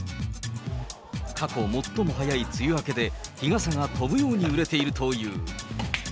過去最も早い梅雨明けで、日傘が飛ぶように売れているという。